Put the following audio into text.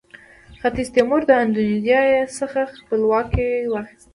ختیځ تیمور د اندونیزیا څخه خپلواکي واخیسته.